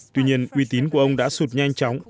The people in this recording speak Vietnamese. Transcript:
tuy nhiên uy tín của ông đã sụt nhanh chóng